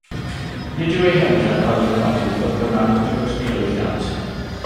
Nid yw ei hymdrech fel dramodydd, fodd bynnag, wedi bod yn llwyddiant.